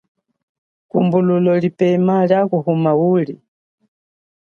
Kumbululo lipema lia kuhuma uli.